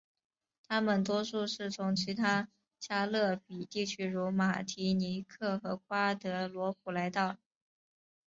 他们多数是从其他加勒比地区如马提尼克和瓜德罗普来到。